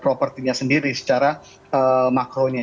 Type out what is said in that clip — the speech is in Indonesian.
propertinya sendiri secara makronya